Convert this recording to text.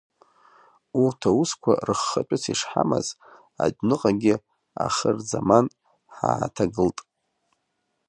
Урҭ аусқуа рыххатәыс ишҳамаз, адәныҟагьы ахырзаман ҳааҭагылт.